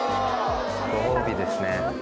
ご褒美ですね。